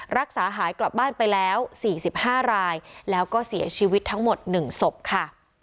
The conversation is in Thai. รักษาหายกลับบ้านไปแล้ว๔๕รายแล้วก็เสียชีวิตทั้งหมด๑ศพค่ะ